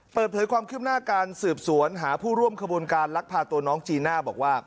เปิดเผยความคืบหน้าการสืบสวนหาผู้ร่วมขบวนการลักพาตัวน้องจีน่าบอกว่า